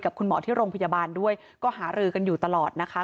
คุณหมอที่โรงพยาบาลด้วยก็หารือกันอยู่ตลอดนะคะ